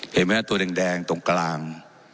เห็นมั้ยตัวแดงตรงกลาง